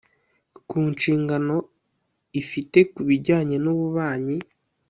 ku nshingano ifite ku bijyanye n ububanyi